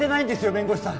弁護士さん！